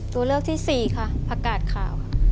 ตัวเลือกที่๔ค่ะผักกาดขาว